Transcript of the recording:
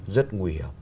rất nguy hiểm